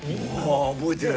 あ覚えてる。